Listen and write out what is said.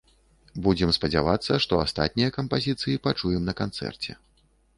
Будзем спадзявацца, што астатнія кампазіцыі пачуем на канцэрце.